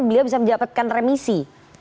beliau bisa menjawabkan remisi